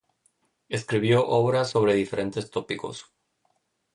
Escribió obras sobre diferentes tópicos.